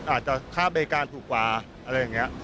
อาจจะค่าบริการถูกกว่าอะไรอย่างนี้